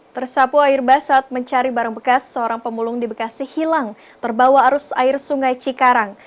tersapu air bas saat mencari barang bekas seorang pemulung di bekasi hilang terbawa arus air sungai cikarang